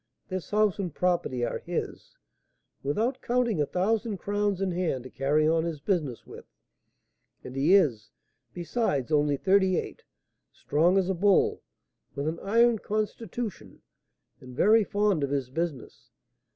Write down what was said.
This house and property are his, without counting a thousand crowns in hand to carry on his business with; and he is, besides, only thirty eight, strong as a bull, with an iron constitution, and very fond of his business.